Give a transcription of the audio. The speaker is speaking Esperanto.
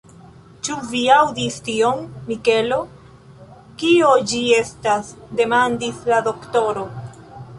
Ĉu vi aŭdis tion, Mikelo? Kio ĝi estas? demandis la doktoro.